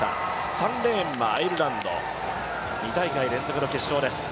３レーンはアイルランド、２大会連続の決勝です。